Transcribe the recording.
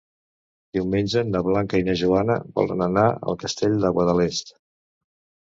Diumenge na Blanca i na Joana volen anar al Castell de Guadalest.